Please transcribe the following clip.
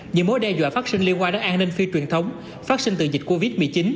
những mối đe dọa phát sinh liên quan đến an ninh phi truyền thống phát sinh từ dịch covid một mươi chín